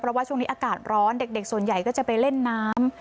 เพราะว่าช่วงนี้อากาศร้อนเด็กส่วนใหญ่ก็จะไปเล่นน้ำ